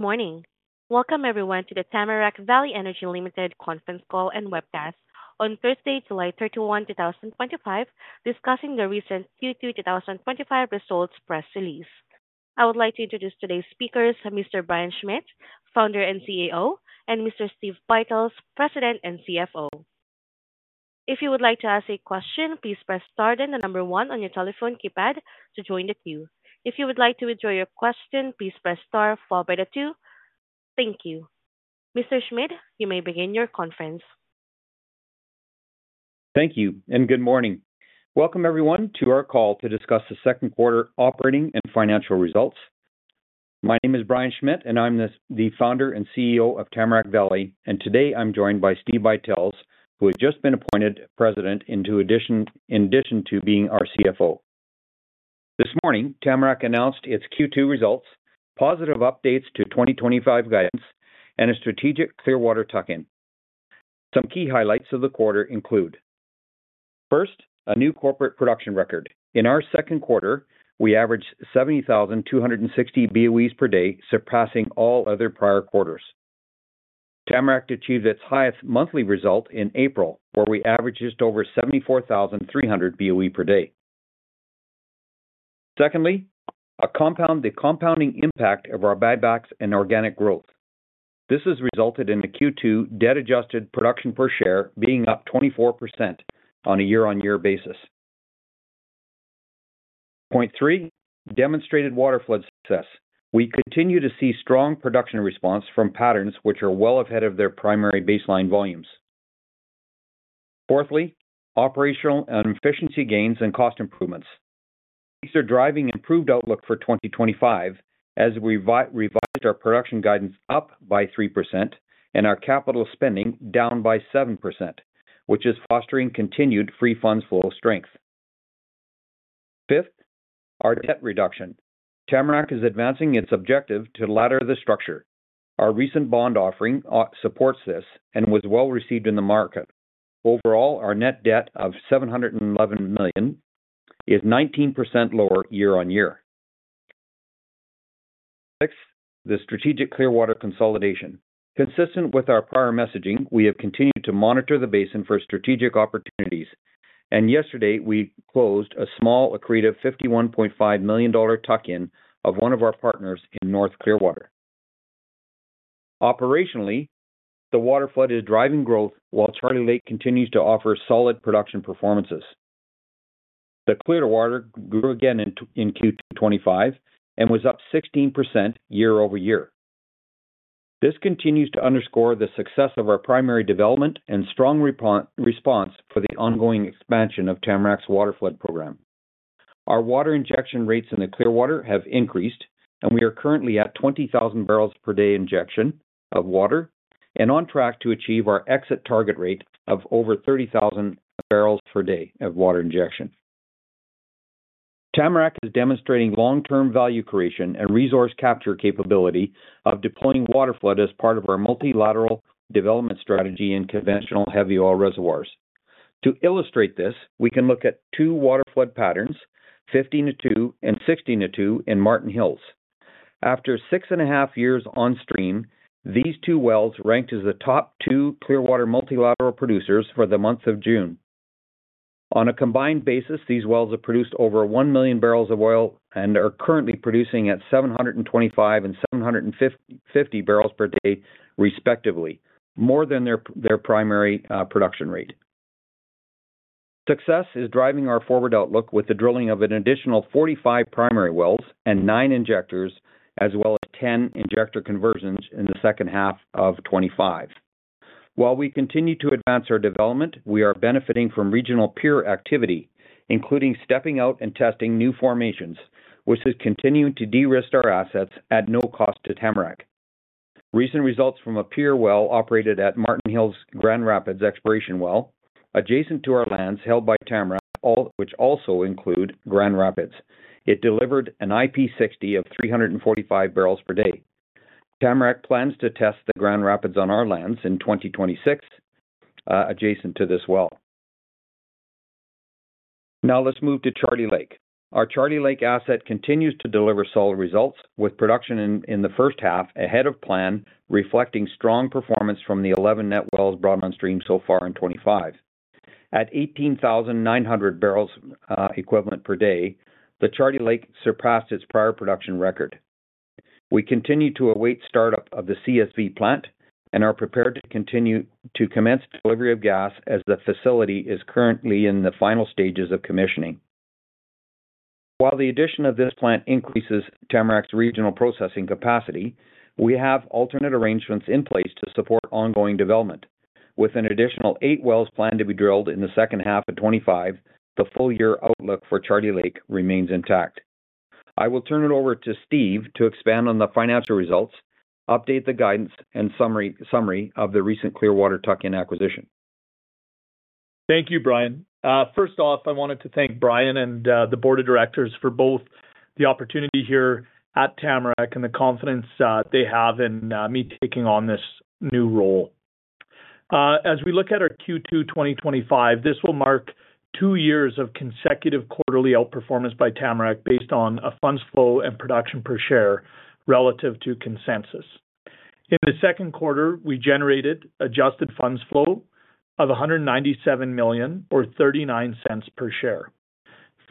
Morning. Welcome everyone to the Tamarack Valley Energy Ltd Conference Call and Webcast on Thursday, July 31, 2025, discussing the recent Q2 2025 results press release. I would like to introduce today's speakers, Mr. Brian Schmidt, Founder and CEO, and Mr. Steve Buytels, President and CFO. If you would like to ask a question, please press star then the number one on your telephone keypad to join the queue. If you would like to withdraw your question, please press star followed by the two. Thank you. Mr. Schmidt, you may begin your conference. Thank you, and good morning. Welcome everyone to our call to discuss the second quarter operating and financial results. My name is Brian Schmidt, and I'm the Founder and CEO of Tamarack Valley Energy Ltd. Today I'm joined by Steve Buytels, who has just been appointed President in addition to being our CFO. This morning, Tamarack announced its Q2 results, positive updates to 2025 guidance, and a strategic Clearwater tuck-in. Some key highlights of the quarter include: First, a new corporate production record. In our second quarter, we averaged 70,260 BOE/d, surpassing all other prior quarters. Tamarack achieved its highest monthly result in April, where we averaged just over 74,300 BOE/d. Secondly, a compounding impact of our buybacks and organic growth. This has resulted in the Q2 debt-adjusted production per share being up 24% on a year-on-year basis. Point three, demonstrated waterflood success. We continue to see strong production response from patterns which are well ahead of their primary baseline volumes. Fourthly, operational efficiency gains and cost improvements. These are driving improved outlook for 2025 as we revised our production guidance up by 3% and our capital spending down by 7%, which is fostering continued free funds flow strength. Fifth, our debt reduction. Tamarack is advancing its objective to ladder the structure. Our recent bond offering supports this and was well received in the market. Overall, our net debt of $711 million is 19% lower year on year. Next, the strategic Clearwater consolidation. Consistent with our prior messaging, we have continued to monitor the basin for strategic opportunities, and yesterday we closed a small accretive $51.5 million tuck-in of one of our partners in North Clearwater. Operationally, the waterflood is driving growth, while Charlie Lake continues to offer solid production performances. The Clearwater grew again in Q2 2025 and was up 16% year-over-year. This continues to underscore the success of our primary development and strong response for the ongoing expansion of Tamarack's waterflood program. Our water injection rates in the Clearwater have increased, and we are currently at 20,000 barrels per day injection of water and on track to achieve our exit target rate of over 30,000 barrels per day of water injection. Tamarack is demonstrating long-term value creation and resource capture capability of deploying waterflood as part of our multilateral development strategy in conventional heavy oil reservoirs. To illustrate this, we can look at two waterflood patterns, 15-2 and 16-2 in Marten Hills. After six and a half years on stream, these two wells ranked as the top two Clearwater multilateral producers for the month of June. On a combined basis, these wells have produced over 1 million barrels of oil and are currently producing at 725 and 750 barrels per day, respectively, more than their primary production rate. Success is driving our forward outlook with the drilling of an additional 45 primary wells and nine injectors, as well as 10 injector conversions in the second half of 2025. While we continue to advance our development, we are benefiting from regional peer activity, including stepping out and testing new formations, which has continued to de-risk our assets at no cost to Tamarack. Recent results from a peer well operated at Marten Hills Grand Rapids exploration well, adjacent to our lands held by Tamarack, which also include Grand Rapids, delivered an IP60 of 345 barrels per day. Tamarack plans to test the Grand Rapids on our lands in 2026, adjacent to this well. Now let's move to Charlie Lake. Our Charlie Lake asset continues to deliver solid results with production in the first half ahead of plan, reflecting strong performance from the 11 net wells brought on stream so far in 2025. At 18,900 barrels of oil equivalent per day, the Charlie Lake surpassed its prior production record. We continue to await startup of the CSV plant and are prepared to continue to commence the delivery of gas as the facility is currently in the final stages of commissioning. While the addition of this plant increases Tamarack's regional processing capacity, we have alternate arrangements in place to support ongoing development. With an additional eight wells planned to be drilled in the second half of 2025, the full-year outlook for Charlie Lake remains intact. I will turn it over to Steve to expand on the financial results, update the guidance, and summary of the recent Clearwater tuck-in acquisition. Thank you, Brian. First off, I wanted to thank Brian and the Board of Directors for both the opportunity here at Tamarack and the confidence they have in me taking on this new role. As we look at our Q2 2025, this will mark two years of consecutive quarterly outperformance by Tamarack based on funds flow and production per share relative to consensus. In the second quarter, we generated adjusted funds flow of $197 million or $0.39 per share.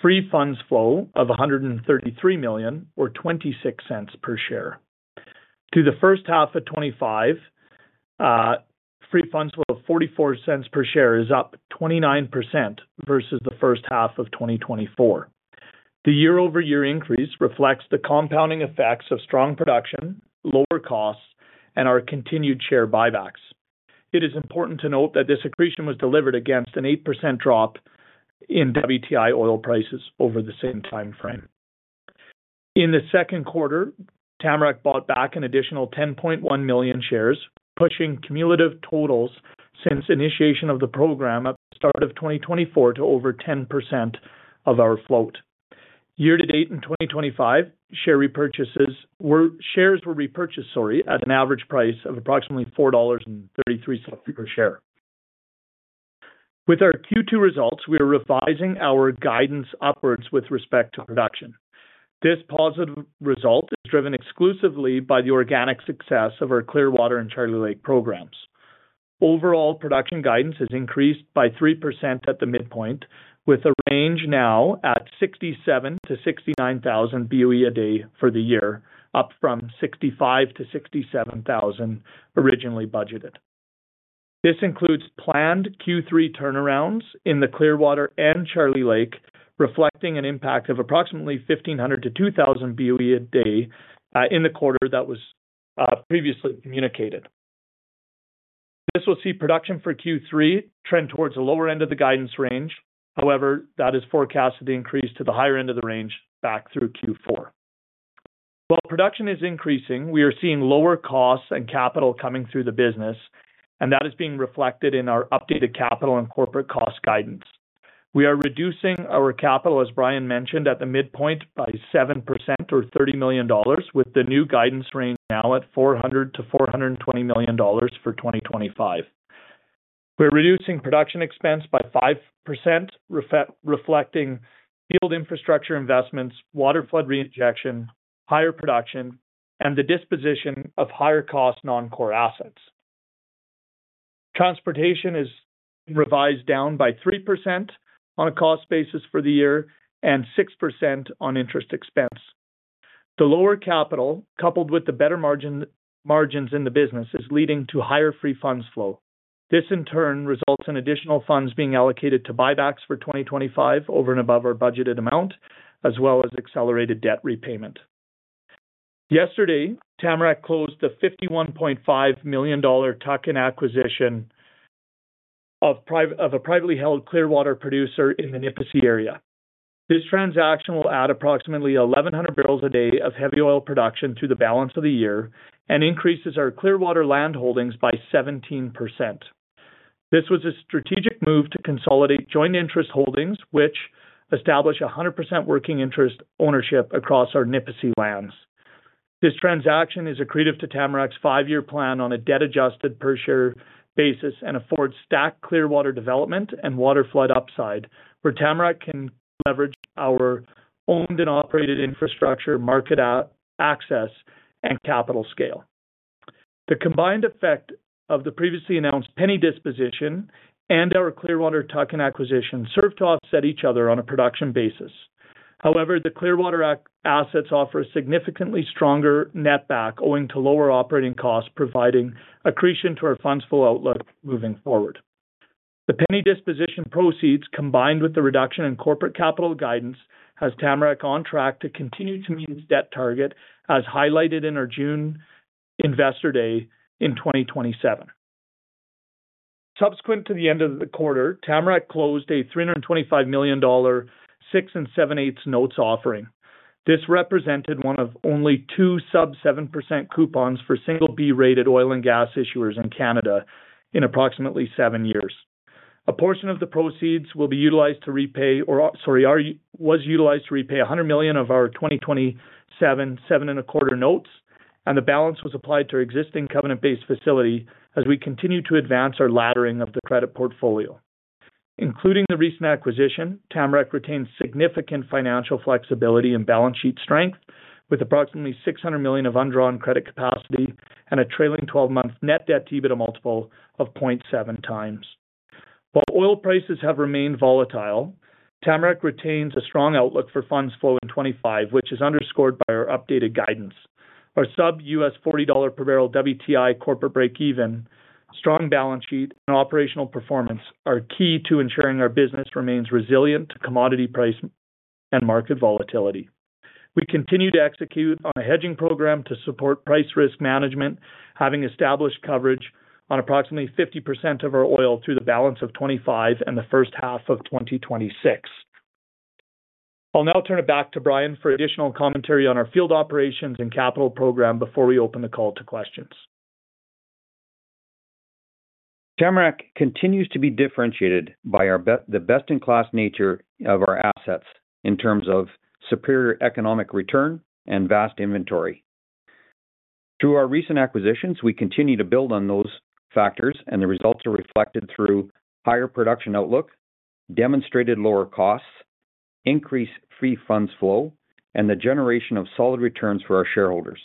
Free funds flow of $133 million or $0.26 per share. For the first half of 2025, free funds flow of $0.44 per share is up 29% versus the first half of 2024. The year-over-year increase reflects the compounding effects of strong production, lower costs, and our continued share buybacks. It is important to note that this accretion was delivered against an 8% drop in WTI oil prices over the same timeframe. In the second quarter, Tamarack bought back an additional 10.1 million shares, pushing cumulative totals since initiation of the program at the start of 2024 to over 10% of our float. Year to date in 2025, share repurchases were repurchased at an average price of approximately $4.33 per share. With our Q2 results, we are revising our guidance upwards with respect to production. This positive result is driven exclusively by the organic success of our Clearwater and Charlie Lake programs. Overall production guidance has increased by 3% at the midpoint, with a range now at 67,000 to 69,000 BOE/d for the year, up from 65,000 to 67,000 originally budgeted. This includes planned Q3 turnarounds in the Clearwater and Charlie Lake, reflecting an impact of approximately 1,500 to 2,000 BOE/d in the quarter that was previously communicated. This will see production for Q3 trend towards the lower end of the guidance range; however, that is forecasted to increase to the higher end of the range back through Q4. While production is increasing, we are seeing lower costs and capital coming through the business, and that is being reflected in our updated capital and corporate cost guidance. We are reducing our capital, as Brian mentioned, at the midpoint by 7% or $30 million, with the new guidance range now at $400 to $420 million for 2025. We are reducing production expense by 5%, reflecting field infrastructure investments, waterflood reinjection, higher production, and the disposition of higher-cost non-core assets. Transportation is revised down by 3% on a cost basis for the year and 6% on interest expense. The lower capital, coupled with the better margins in the business, is leading to higher free funds flow. This, in turn, results in additional funds being allocated to buybacks for 2025 over and above our budgeted amount, as well as accelerated debt repayment. Yesterday, Tamarack closed the $51.5 million tuck-in acquisition of a privately held Clearwater producer in the Nipisi area. This transaction will add approximately 1,100 barrels a day of heavy oil production to the balance of the year and increases our Clearwater land holdings by 17%. This was a strategic move to consolidate joint interest holdings, which establish 100% working interest ownership across our Nipisi lands. This transaction is accretive to Tamarack's five-year plan on a debt-adjusted per share basis and affords stacked Clearwater development and waterflood upside, where Tamarack can leverage our owned and operated infrastructure, market access, and capital scale. The combined effect of the previously announced Penny disposition and our Clearwater tuck-in acquisition serve to offset each other on a production basis. However, the Clearwater assets offer a significantly stronger netback owing to lower operating costs, providing accretion to our funds flow outlook moving forward. The Penny disposition proceeds, combined with the reduction in corporate capital guidance, has Tamarack on track to continue to meet its debt target as highlighted in our June Investor Day in 2027. Subsequent to the end of the quarter, Tamarack closed a $325 million, six and seven-eighths notes offering. This represented one of only two sub-7% coupons for single B-rated oil and gas issuers in Canada in approximately seven years. A portion of the proceeds was utilized to repay $100 million of our 2027 seven and a quarter notes, and the balance was applied to our existing covenant-based facility as we continue to advance our laddering of the credit portfolio. Including the recent acquisition, Tamarack Valley Energy Ltd. retains significant financial flexibility and balance sheet strength, with approximately $600 million of undrawn credit capacity and a trailing 12-month net debt to EBITDA multiple of 0.7 times. While oil prices have remained volatile, Tamarack retains a strong outlook for funds flow in 2025, which is underscored by our updated guidance. Our sub-US $40 per barrel WTI corporate break-even, strong balance sheet, and operational performance are key to ensuring our business remains resilient to commodity price and market volatility. We continue to execute on a hedging program to support price risk management, having established coverage on approximately 50% of our oil through the balance of 2025 and the first half of 2026. I'll now turn it back to Brian for additional commentary on our field operations and capital program before we open the call to questions. Tamarack continues to be differentiated by the best-in-class nature of our assets in terms of superior economic return and vast inventory. Through our recent acquisitions, we continue to build on those factors, and the results are reflected through higher production outlook, demonstrated lower costs, increased free funds flow, and the generation of solid returns for our shareholders.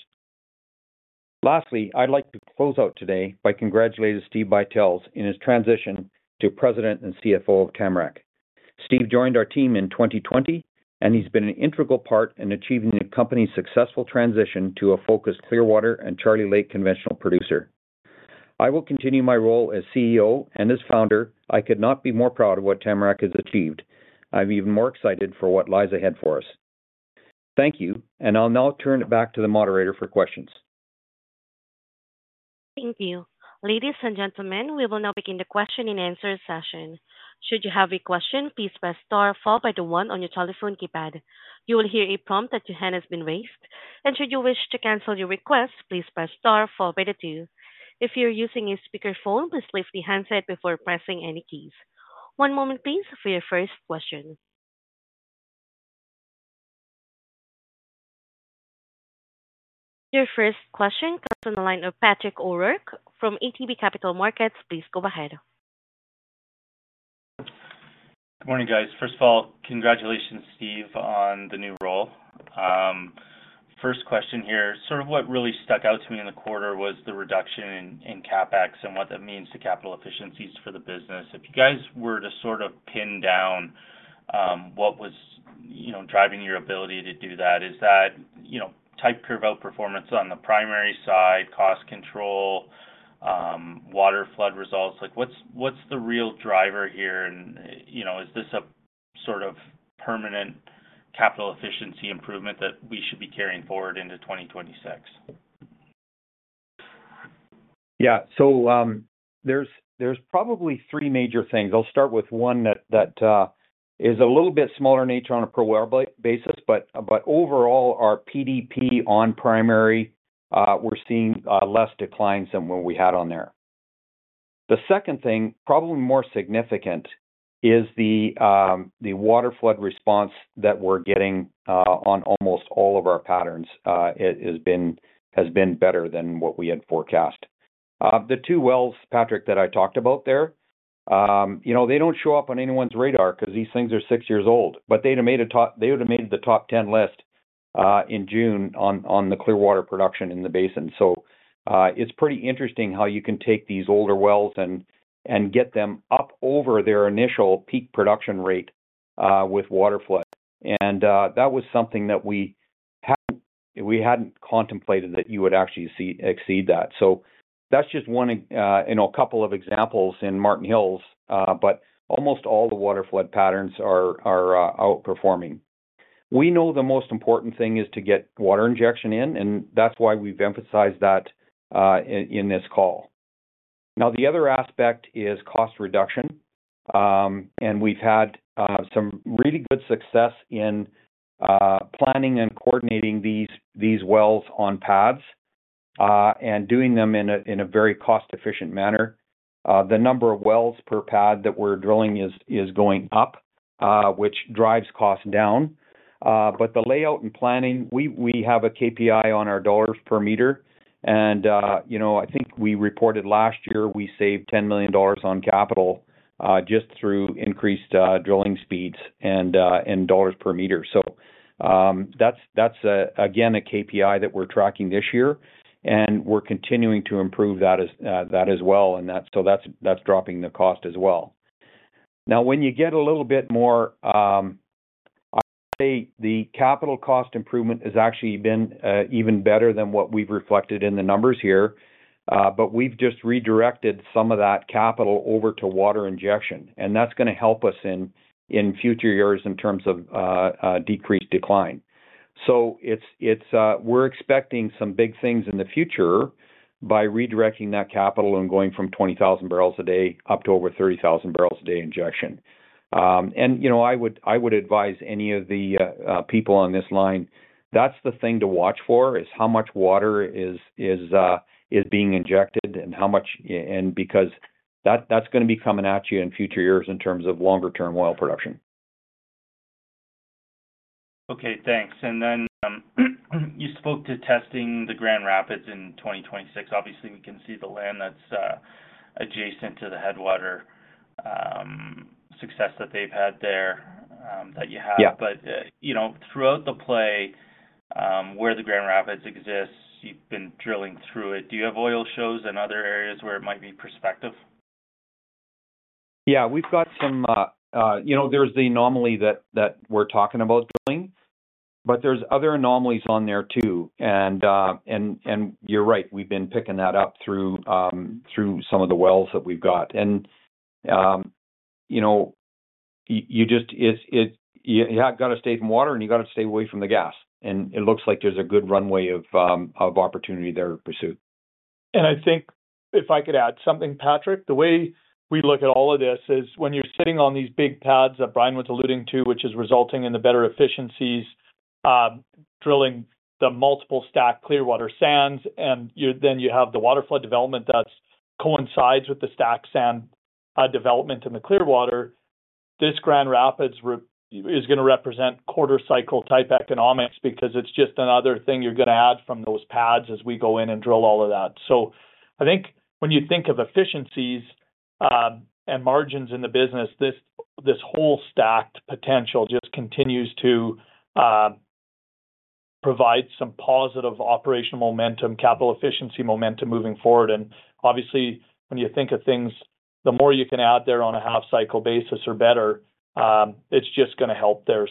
Lastly, I'd like to close out today by congratulating Steve Buytels in his transition to President and CFO of Tamarack. Steve joined our team in 2020, and he's been an integral part in achieving the company's successful transition to a focused Clearwater and Charlie Lake conventional producer. I will continue my role as CEO, and as Founder, I could not be more proud of what Tamarack has achieved. I'm even more excited for what lies ahead for us. Thank you, and I'll now turn it back to the moderator for questions. Thank you. Ladies and gentlemen, we will now begin the Q&A session. Should you have a question, please press star followed by the one on your telephone keypad. You will hear a prompt that your hand has been raised, and should you wish to cancel your request, please press star followed by the two. If you're using a speaker phone, please lift the handset before pressing any keys. One moment, please, for your first question. Your first question comes from the line of Patrick O'Rourke from ATB Capital Markets. Please go ahead. Good morning, guys. First of all, congratulations, Steve, on the new role. First question here, what really stuck out to me in the quarter was the reduction in CapEx and what that means to capital efficiencies for the business. If you guys were to pin down what was driving your ability to do that, is that tight curve-out performance on the primary side, cost control, waterflood results, what's the real driver here? Is this a permanent capital efficiency improvement that we should be carrying forward into 2026? Yeah, so there's probably three major things. I'll start with one that is a little bit smaller in nature on a per well basis, but overall, our PDP on primary, we're seeing less declines than what we had on there. The second thing, probably more significant, is the waterflood response that we're getting on almost all of our patterns. It has been better than what we had forecast. The two wells, Patrick, that I talked about there, you know, they don't show up on anyone's radar because these things are six years old, but they would have made the top 10 list in June on the Clearwater production in the basin. It's pretty interesting how you can take these older wells and get them up over their initial peak production rate with waterflood. That was something that we hadn't contemplated that you would actually see exceed that. That's just one, you know, a couple of examples in Marten Hills, but almost all the waterflood patterns are outperforming. We know the most important thing is to get water injection in, and that's why we've emphasized that in this call. Now, the other aspect is cost reduction, and we've had some really good success in planning and coordinating these wells on pads and doing them in a very cost-efficient manner. The number of wells per pad that we're drilling is going up, which drives costs down. The layout and planning, we have a KPI on our dollars per meter, and you know, I think we reported last year we saved $10 million on capital just through increased drilling speeds and dollars per meter. That's, again, a KPI that we're tracking this year, and we're continuing to improve that as well. That's dropping the cost as well. Now, when you get a little bit more, I'd say the capital cost improvement has actually been even better than what we've reflected in the numbers here, but we've just redirected some of that capital over to water injection, and that's going to help us in future years in terms of decreased decline. We're expecting some big things in the future by redirecting that capital and going from 20,000 barrels a day up to over 30,000 barrels a day injection. I would advise any of the people on this line, that's the thing to watch for is how much water is being injected and how much, and because that's going to be coming at you in future years in terms of longer-term oil production. Okay, thanks. You spoke to testing the Grand Rapids in 2026. Obviously, we can see the land that's adjacent to the Headwater, success that they've had there that you have. Throughout the play where the Grand Rapids exists, you've been drilling through it. Do you have oil shows in other areas where it might be prospective? Yeah, we've got some, you know, there's the anomaly that we're talking about drilling, but there are other anomalies on there too. You're right, we've been picking that up through some of the wells that we've got. You just have got to stay from water and you got to stay away from the gas. It looks like there's a good runway of opportunity there to pursue. If I could add something, Patrick, the way we look at all of this is when you're sitting on these big pads that Brian was alluding to, which is resulting in the better efficiencies, drilling the multiple stacked Clearwater sands, and then you have the waterflood development that coincides with the stacked sand development in the Clearwater. This Grand Rapids is going to represent quarter cycle type economics because it's just another thing you're going to add from those pads as we go in and drill all of that. When you think of efficiencies and margins in the business, this whole stacked potential just continues to provide some positive operational momentum, capital efficiency momentum moving forward. Obviously, when you think of things, the more you can add there on a half-cycle basis or better, it's just going to help there.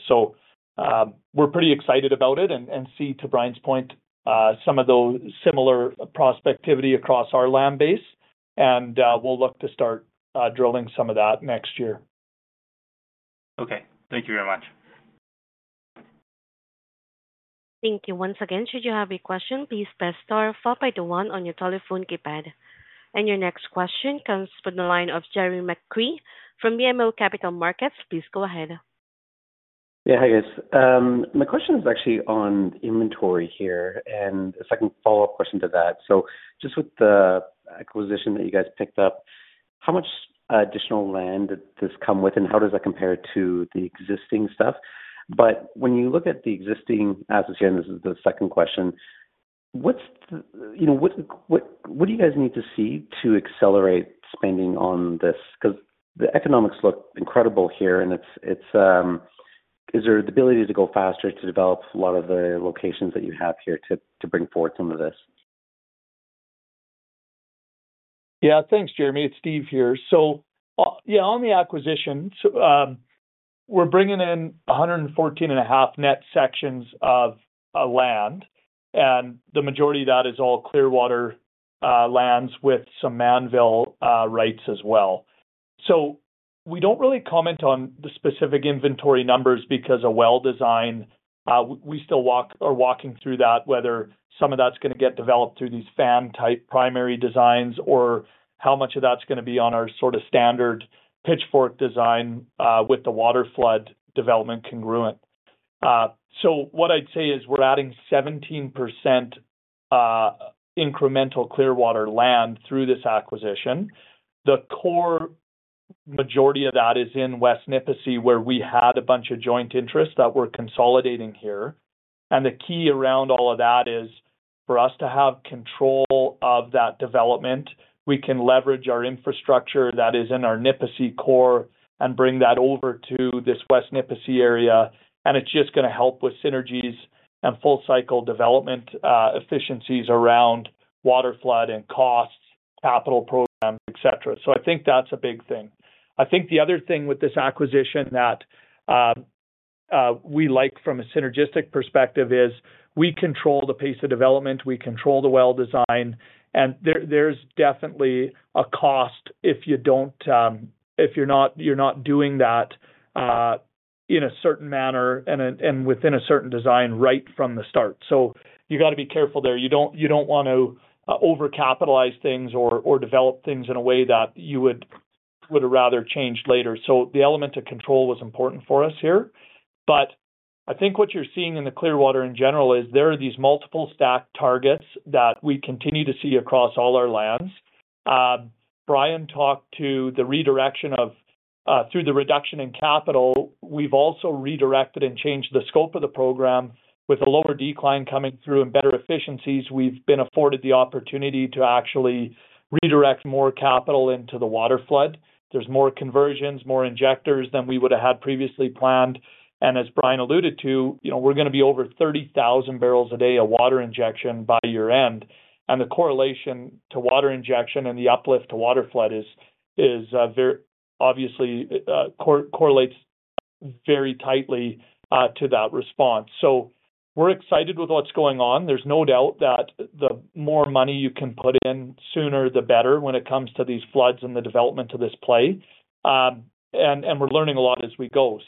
We're pretty excited about it and see, to Brian's point, some of those similar prospectivity across our land base. We'll look to start drilling some of that next year. Okay, thank you very much. Thank you once again. Should you have a question, please press star followed by the one on your telephone keypad. Your next question comes from the line of Jeremy McCrea from BMO Capital Markets. Please go ahead. Yeah, hi guys. My question is actually on inventory here and a second follow-up question to that. With the acquisition that you guys picked up, how much additional land did this come with, and how does that compare to the existing stuff? When you look at the existing assets here, what do you guys need to see to accelerate spending on this? The economics look incredible here. Is there the ability to go faster to develop a lot of the locations that you have here to bring forward some of this? Yeah, thanks Jeremy. It's Steve here. On the acquisition, we're bringing in 114.5 net sections of land and the majority of that is all Clearwater lands with some Manville rights as well. We don't really comment on the specific inventory numbers because of well design. We still are walking through that, whether some of that's going to get developed through these fan type primary designs or how much of that's going to be on our sort of standard pitchfork design with the waterflood development congruent. What I'd say is we're adding 17% incremental Clearwater land through this acquisition. The core majority of that is in West Nipisi, where we had a bunch of joint interests that we're consolidating here. The key around all of that is for us to have control of that development. We can leverage our infrastructure that is in our Nipisi core and bring that over to this West Nipisi area. It's just going to help with synergies and full cycle development efficiencies around waterflood and costs, capital programs, et cetera. I think that's a big thing. I think the other thing with this acquisition that we like from a synergistic perspective is we control the pace of development, we control the well design, and there's definitely a cost if you're not doing that in a certain manner and within a certain design right from the start. You got to be careful there. You don't want to overcapitalize things or develop things in a way that you would have rather changed later. The element of control was important for us here. I think what you're seeing in the Clearwater in general is there are these multiple stacked targets that we continue to see across all our lands. Brian talked to the redirection of through the reduction in capital. We've also redirected and changed the scope of the program with a lower decline coming through and better efficiencies. We've been afforded the opportunity to actually redirect more capital into the waterflood. There's more conversions, more injectors than we would have had previously planned. As Brian alluded to, we're going to be over 30,000 barrels a day of water injection by year end. The correlation to water injection and the uplift to waterflood very obviously correlates very tightly to that response. We're excited with what's going on. There's no doubt that the more money you can put in, sooner the better when it comes to these floods and the development of this play. We're learning a lot as we go.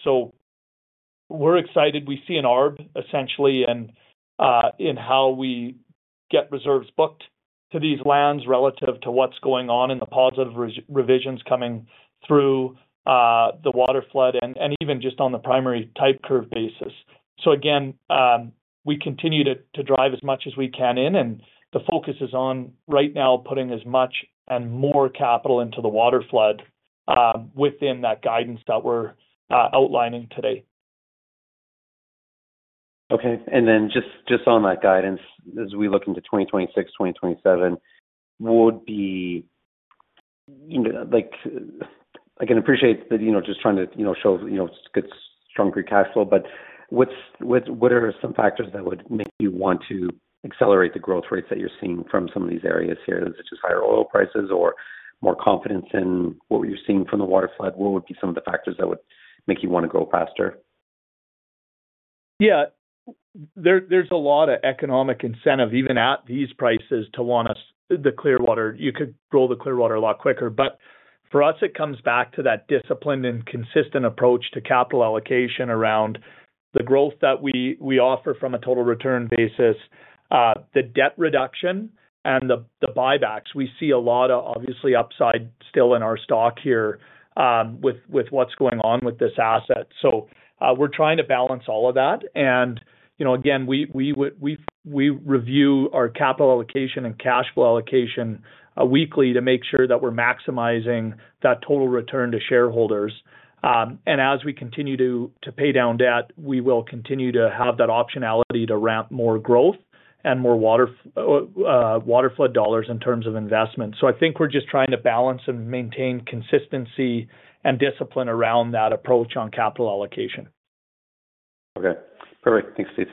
We're excited. We see an arb, essentially, in how we get reserves booked to these lands relative to what's going on in the positive revisions coming through the waterflood and even just on the primary type curve basis. We continue to drive as much as we can in, and the focus is on right now putting as much and more capital into the waterflood within that guidance that we're outlining today. Okay. Just on that guidance, as we look into 2026, 2027, what would be, like, I can appreciate that, you know, just trying to, you know, show, you know, it's a good stronger cash flow, but what are some factors that would make you want to accelerate the growth rates that you're seeing from some of these areas here, such as higher oil prices or more confidence in what you're seeing from the waterflood? What would be some of the factors that would make you want to go faster? Yeah, there's a lot of economic incentive even at these prices to want us the Clearwater. You could grow the Clearwater a lot quicker. For us, it comes back to that disciplined and consistent approach to capital allocation around the growth that we offer from a total return basis, the debt reduction, and the buybacks. We see a lot of, obviously, upside still in our stock here with what's going on with this asset. We're trying to balance all of that. Again, we review our capital allocation and cash flow allocation weekly to make sure that we're maximizing that total return to shareholders. As we continue to pay down debt, we will continue to have that optionality to ramp more growth and more waterflood dollars in terms of investment. I think we're just trying to balance and maintain consistency and discipline around that approach on capital allocation. Okay. Perfect. Thanks, Steve.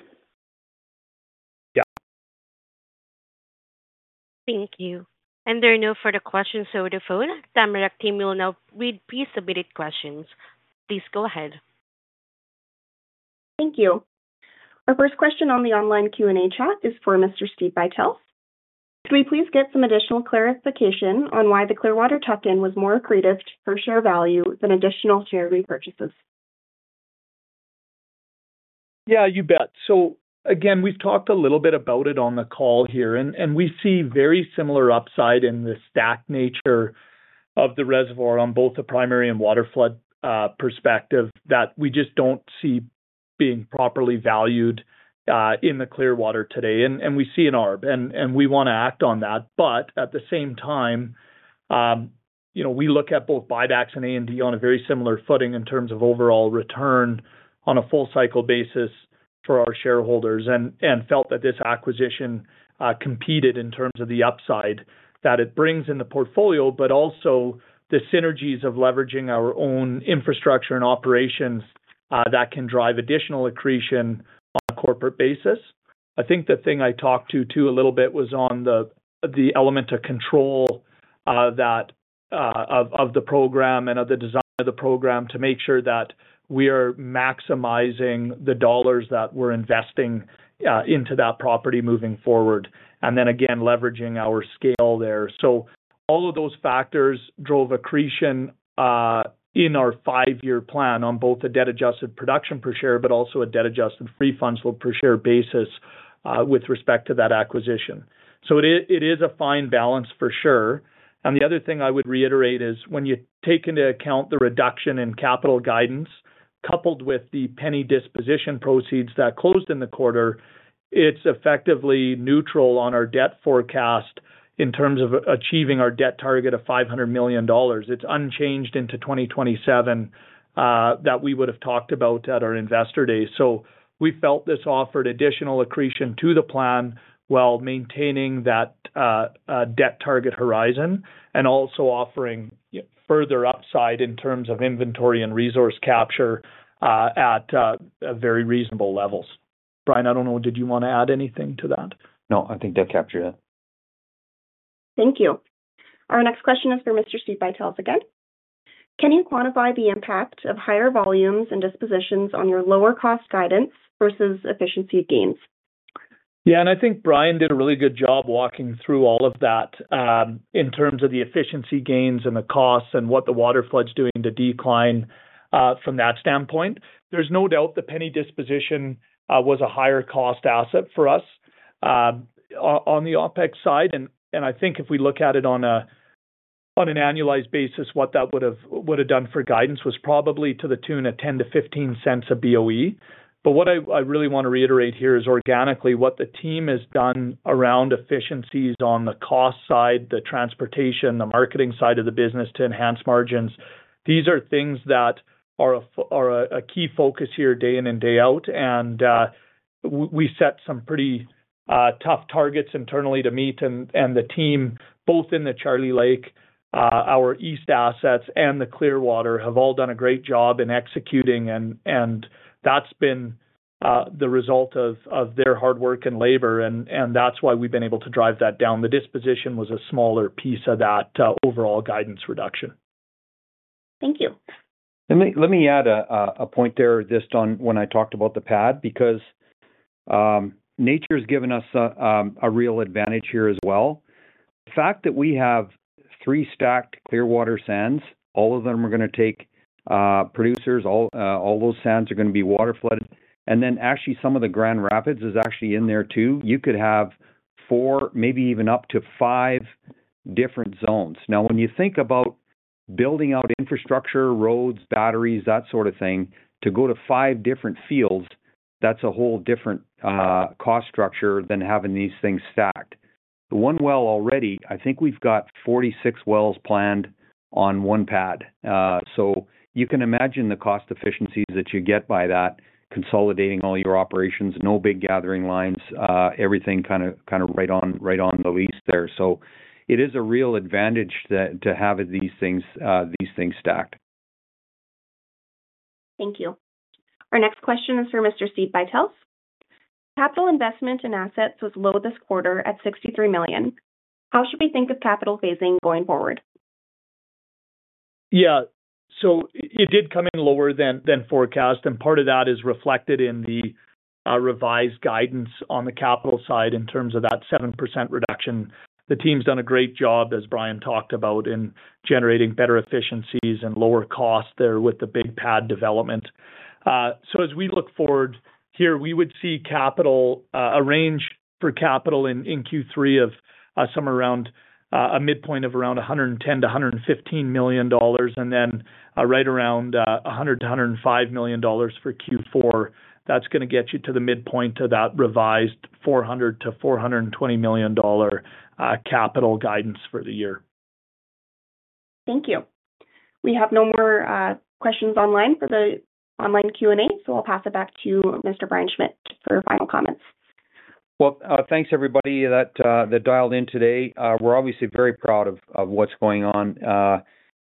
Yeah. Thank you. There are no further questions, so the Tamarack team will now read pre-submitted questions. Please go ahead. Thank you. Our first question on the online Q&A chat is for Mr. Steve Buytels. Could we please get some additional clarification on why the Clearwater tuck-in was more accretive to per share value than additional share repurchases? Yeah, you bet. Again, we've talked a little bit about it on the call here, and we see very similar upside in the stacked nature of the reservoir on both the primary and waterflood perspective that we just don't see being properly valued in the Clearwater today. We see an arb, and we want to act on that. At the same time, we look at both buybacks and A&D on a very similar footing in terms of overall return on a full cycle basis for our shareholders and felt that this acquisition competed in terms of the upside that it brings in the portfolio, but also the synergies of leveraging our own infrastructure and operations that can drive additional accretion on a corporate basis. I think the thing I talked to too a little bit was on the element of control of the program and of the design of the program to make sure that we are maximizing the dollars that we're investing into that property moving forward, and then again, leveraging our scale there. All of those factors drove accretion in our five-year plan on both a debt-adjusted production per share, but also a debt-adjusted free funds flow per share basis with respect to that acquisition. It is a fine balance for sure. The other thing I would reiterate is when you take into account the reduction in capital guidance coupled with the Penny disposition proceeds that closed in the quarter, it's effectively neutral on our debt forecast in terms of achieving our debt target of $500 million. It's unchanged into 2027 that we would have talked about at our investor day. We felt this offered additional accretion to the plan while maintaining that debt target horizon and also offering further upside in terms of inventory and resource capture at very reasonable levels. Brian, I don't know, did you want to add anything to that? No, I think that captured it. Thank you. Our next question is for Mr. Steve Buytels again. Can you quantify the impact of higher volumes and dispositions on your lower cost guidance versus efficiency of gains? Yeah, and I think Brian did a really good job walking through all of that in terms of the efficiency gains and the costs and what the waterflood's doing to decline from that standpoint. There's no doubt the Penny disposition was a higher cost asset for us on the OpEx side. I think if we look at it on an annualized basis, what that would have done for guidance was probably to the tune of $0.10 to $0.15 a BOE. What I really want to reiterate here is organically what the team has done around efficiencies on the cost side, the transportation, the marketing side of the business to enhance margins. These are things that are a key focus here day in and day out. We set some pretty tough targets internally to meet. The team, both in the Charlie Lake, our East assets, and the Clearwater have all done a great job in executing. That's been the result of their hard work and labor. That's why we've been able to drive that down. The disposition was a smaller piece of that overall guidance reduction. Thank you. Let me add a point there just on when I talked about the pad because nature's given us a real advantage here as well. The fact that we have three stacked Clearwater sands, all of them are going to take producers, all those sands are going to be waterflooded. Actually, some of the Grand Rapids is in there too. You could have four, maybe even up to five different zones. When you think about building out infrastructure, roads, batteries, that sort of thing, to go to five different fields, that's a whole different cost structure than having these things stacked. The one well already, I think we've got 46 wells planned on one pad. You can imagine the cost efficiencies that you get by that, consolidating all your operations, no big gathering lines, everything kind of right on the leash there. It is a real advantage to have these things stacked. Thank you. Our next question is for Mr. Steve Buytels. Capital investment in assets was low this quarter at $63 million. How should we think of capital phasing going forward? It did come in lower than forecast, and part of that is reflected in the revised guidance on the capital side in terms of that 7% reduction. The team's done a great job, as Brian talked about, in generating better efficiencies and lower costs there with the big pad development. As we look forward here, we would see capital, a range for capital in Q3 of somewhere around a midpoint of around $110 to $115 million, and then right around $100 to $105 million for Q4. That's going to get you to the midpoint of that revised $400 to $420 million capital guidance for the year. Thank you. We have no more questions online for the online Q&A, so I'll pass it back to Mr. Brian Schmidt for final comments. Thank you everybody that dialed in today. We're obviously very proud of what's going on.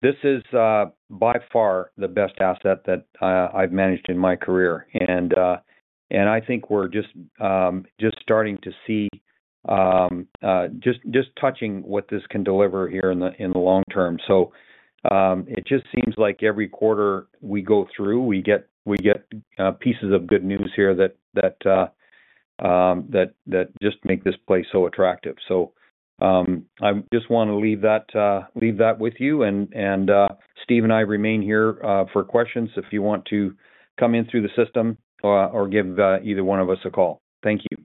This is by far the best asset that I've managed in my career. I think we're just starting to see, just touching what this can deliver here in the long term. It just seems like every quarter we go through, we get pieces of good news here that just make this play so attractive. I just want to leave that with you, and Steve and I remain here for questions if you want to come in through the system or give either one of us a call. Thank you.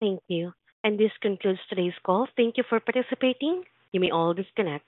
Thank you. This concludes today's call. Thank you for participating. You may all disconnect.